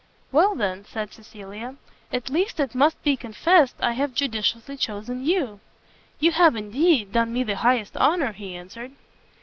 "Well, then," said Cecilia, "at least it must be confessed I have judiciously chosen you!" "You have, indeed, done me the highest honour," he answered.